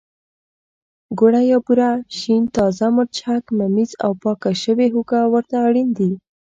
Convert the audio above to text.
ګوړه یا بوره، شین تازه مرچک، ممیز او پاکه شوې هوګه ورته اړین دي.